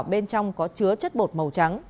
bên trong có chứa chất bột màu trắng